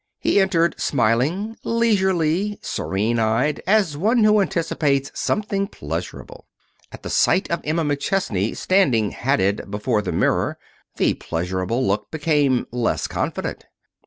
He entered smiling, leisurely, serene eyed, as one who anticipates something pleasurable. At sight of Emma McChesney standing, hatted before the mirror, the pleasurable look became less confident.